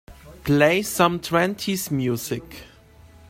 Play some twenties music